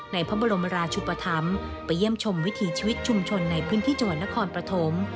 ในพระบรมราชุปธรรมไปเยี่ยมชมวิถีชีวิตชุมชนในพื้นที่จังหวัดนครปฐม